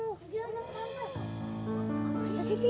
makasih sih vi